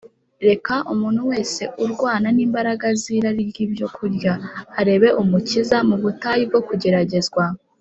Reka umuntu wese urwana n’imbaraga z’irari ry’ibyokurya arebe Umukiza mu butayu bwo kugeragezwa